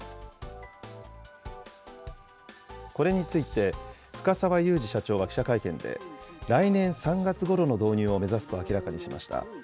これについて深澤祐二社長は記者会見で、来年３月ごろの導入を目指すと明らかにしました。